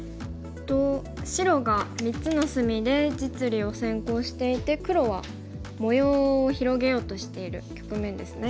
白が３つの隅で実利を先行していて黒は模様を広げようとしている局面ですね。